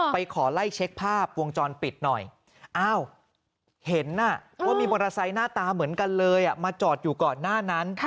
ขอไล่เช็คภาพวงจรปิดหน่อยอ้าวเห็นว่ามีมอเตอร์ไซค์หน้าตาเหมือนกันเลยมาจอดอยู่ก่อนหน้านั้น